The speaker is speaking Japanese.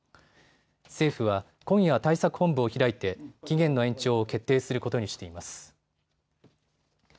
政府は今夜、対策本部を開いて期限の延長を決定することにしています。